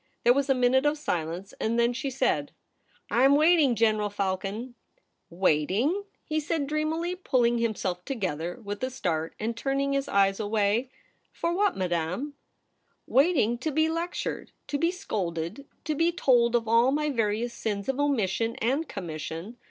There was a minute of silence, and then she said :' I am waiting, General Falcon.' ' Waiting !* he said dreamily, pulling him THE PRINCESS AT HOME. 163 self together with a start, and turning his eyes away. ' For what, Madame ?'' Waiting to be lectured ; to be scolded ; to be told of all my various sins of omission and commission.